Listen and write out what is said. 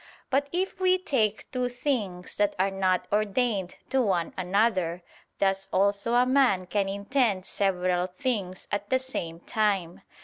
But if we take two things that are not ordained to one another, thus also a man can intend several things at the same time.